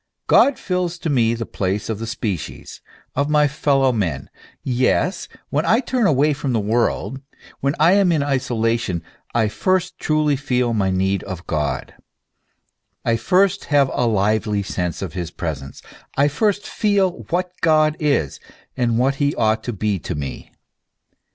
God fills to me the place of the species, of my fellow men ; yes, when I turn away from the world, when I am in isolation, I first truly feel my need of God, I first have a lively sense of his presence, I first feel what God is, and what he ought to be to me.